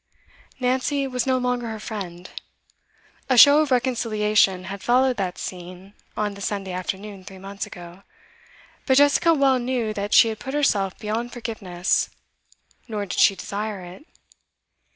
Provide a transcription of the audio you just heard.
Nancy was no longer her friend. A show of reconciliation had followed that scene on the Sunday afternoon three months ago; but Jessica well knew that she had put herself beyond forgiveness, nor did she desire it.